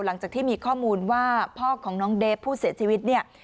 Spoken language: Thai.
หลังจากที่มีข้อมูลว่าพ่อของน้องเดฟผู้เสียชีวิตเนี่ย